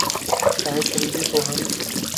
شاہد فریدی کو ہم